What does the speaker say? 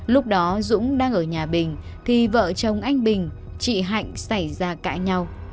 lúc đó dũng đang ở nhà bình thì vợ chồng anh bình chị hạnh xảy ra cãi nhau